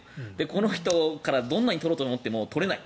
この人からどんなに取ろうと思っても取れない。